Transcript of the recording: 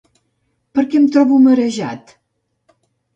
Per què em trobo marejat?